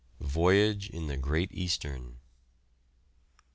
VOYAGE IN THE "GREAT EASTERN."